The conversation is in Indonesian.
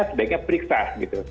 sebaiknya periksa gitu